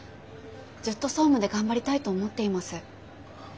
ずっと総務で頑張りたいと思っています。